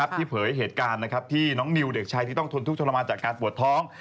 เผยเหตุการณ์ที่น้องนิวเด็กชายที่ต้องทนทุกขรมานจากการปวดท้อง